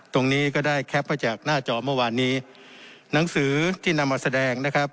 ตรงนี้ก็ได้แคปไว้จากหน้าจอเมื่อวานนี้หนังสือที่นำมาแสดงนะครับ